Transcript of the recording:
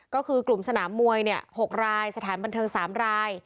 ก็คือกลุ่มสนามมวย๖รายสถานบันเทิง๓ราย